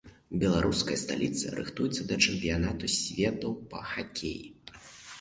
Беларуская сталіца рыхтуецца да чэмпіянату свету па хакеі.